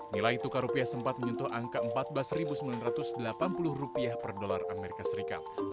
nilai tukar rupiah sempat menyentuh angka empat belas sembilan ratus delapan puluh rupiah per dolar amerika serikat